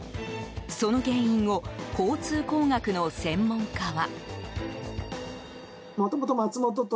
その原因を交通工学の専門家は。